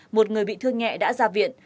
một người bị thương nhẹ đã ra viện